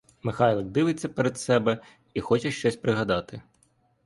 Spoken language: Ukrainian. Михайлик дивиться перед себе і хоче щось пригадати.